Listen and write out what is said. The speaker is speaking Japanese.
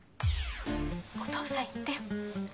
お父さん言ってよ。